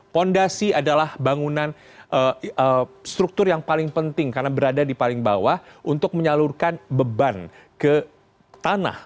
fondasi adalah bangunan struktur yang paling penting karena berada di paling bawah untuk menyalurkan beban ke tanah